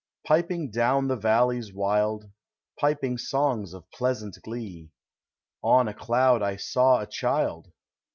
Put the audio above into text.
Piping down the valleys wild, Piping songs of pleasant glee, On a cloud I saw a child.